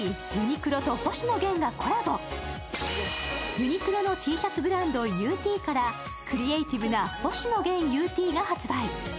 ユニクロのＴシャツブランド・ＵＴからクリエイティブな星野源ＵＴが発売。